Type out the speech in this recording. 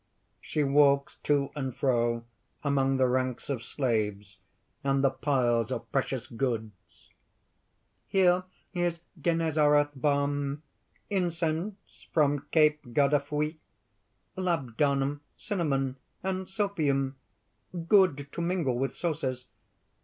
(She walks to and fro among the ranks of slaves and the piles of precious goods.) "Here is Genezareth balm, incense from Cape Gardefui, labdanum, cinnamon, and silphium good to mingle with sauces.